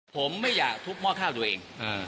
ผมไม่อยากทุบหม้อข้าวตัวเอง